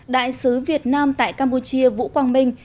đại sứ việt nam tại campuchia vũ quang minh